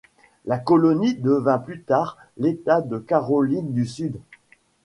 La colonie devint plus tard l'État de Caroline du Sud.